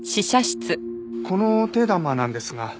このお手玉なんですが。